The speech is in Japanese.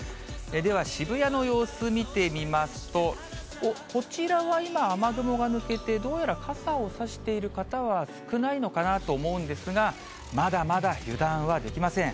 では、渋谷の様子見てみますと、こちらは今、雨雲が抜けて、どうやら傘を差している方は少ないのかなと思うんですが、まだまだ油断はできません。